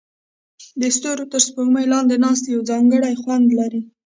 د ستورو تر سپوږمۍ لاندې ناستې یو ځانګړی خوند لري.